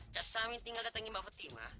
cezamin tinggal datangin mbak fatima